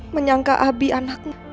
menyangka abi anaknya